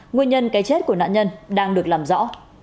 nguyên nhân cái chết của nạn nhân đang được làm rõ